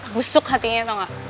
busuk hatinya tau gak